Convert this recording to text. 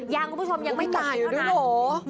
ยังคุณผู้ชมยังไม่หยุดขนาดนี้นี่โห